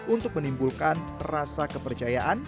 untuk menimbulkan rasa kepercayaan